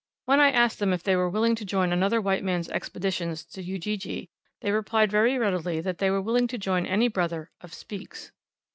When I asked them if they were willing to join another white man's expedition to Ujiji, they replied very readily that they were willing to join any brother of "Speke's."